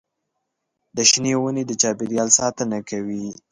د شنې ونې د چاپېریال ساتنه کوي.